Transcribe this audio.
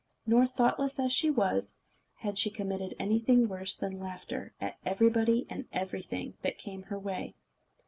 Nor, thoughtless as she was, had she committed anything worse than laughter at everybody and everything that came in her way.